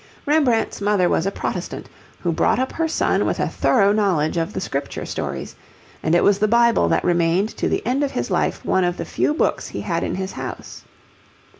Rembrandt's mother was a Protestant, who brought up her son with a thorough knowledge of the Scripture stories, and it was the Bible that remained to the end of his life one of the few books he had in his house.